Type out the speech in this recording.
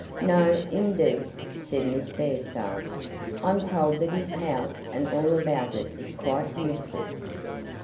"No, indeed," said Miss Fairstairs. "I'm told that his house and all about it is quite beautiful."